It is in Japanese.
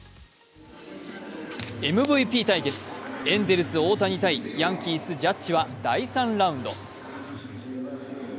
ＭＶＰ対決エンゼルス・大谷×ヤンキース・ジャッジの第３ラウンド。